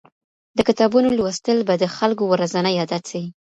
د کتابونو لوستل به د خلګو ورځنی عادت سي.